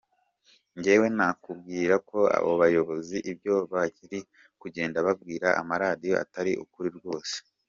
Njyewe nakubwira ko abo bayobozi ibyo bari kugenda babwira amaradiyo atari ukuri rwose.